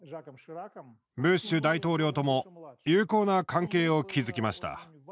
ブッシュ大統領とも友好な関係を築きました。